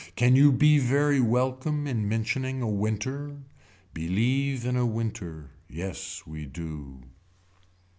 Can you be very welcome in mentioning a winter. Believe in a winter. Yes we do.